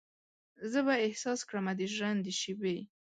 زه به احساس کړمه د ژرندې شیبې